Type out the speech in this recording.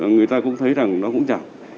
người ta cũng thấy rằng nó cũng chẳng